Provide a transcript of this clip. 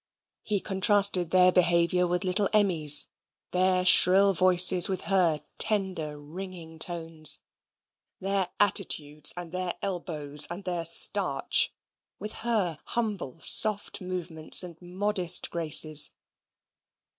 He contrasted their behaviour with little Emmy's their shrill voices with her tender ringing tones; their attitudes and their elbows and their starch, with her humble soft movements and modest graces.